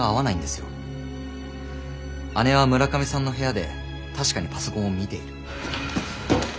姉は村上さんの部屋で確かにパソコンを見ている。